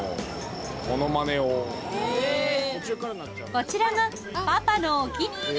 こちらがパパのお気に入り